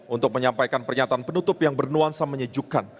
untuk menyampaikan pernyataan penutup yang bernuansa menyejukkan